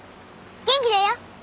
元気だよ。